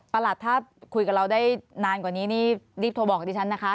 ประหลัดถ้าคุยกับเราได้นานกว่านี้รีบโทรบอกกับดิฉันนะคะ